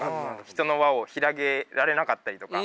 人の輪を広げられなかったりとか。